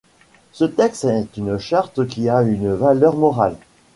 Ce texte est une charte qui a une valeur morale.